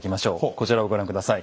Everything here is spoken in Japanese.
こちらをご覧下さい。